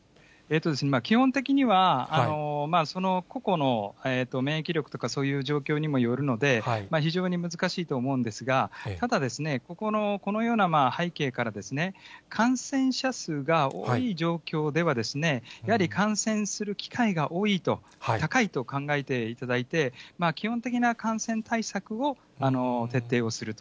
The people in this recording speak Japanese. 基本的には、その個々の免疫力とかそういう状況にもよるので、非常に難しいと思うんですが、ただ、ここのこのような背景からですね、感染者数が多い状況では、やはり感染する機会が多いと、高いと考えていただいて、基本的な感染対策を徹底をすると。